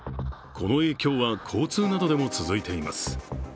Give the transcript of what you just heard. この影響は、交通などでも続いています。